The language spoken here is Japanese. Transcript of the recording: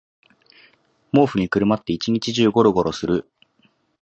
毛布にくるまって一日中ゴロゴロする